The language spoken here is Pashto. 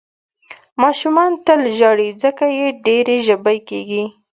ماشومان تل ژاړي، ځکه یې ډېر ژبۍ کېږي.